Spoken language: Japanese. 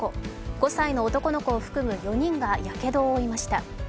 ５歳の男の子を含む４人がやけどを負いました。